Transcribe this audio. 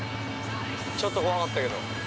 ちょっと怖かったけど。